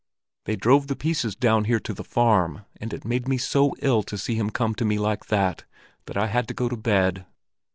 They drove the pieces down here to the farm, and it made me so ill to see him come to me like that, that I had to go to bed.